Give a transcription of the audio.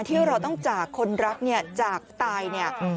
ต้องจากคนรับเนี่ยจากตายเนี่ย